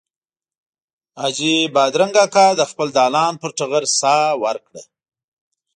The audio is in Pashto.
حاجي بادرنګ اکا د خپل دالان پر ټغر ساه ورکړه.